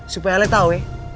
supaya alek tahu ya